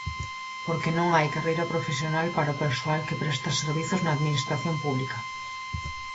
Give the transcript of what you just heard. Porque non hai carreira profesional para o persoal que presta servizos na Administración pública.